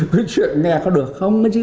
cái chuyện nghe có được không